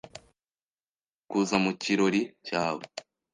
Ndashaka kuza mu kirori cyawe.